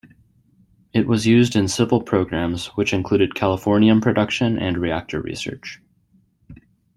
It was used in civil programmes which included californium production and reactor research.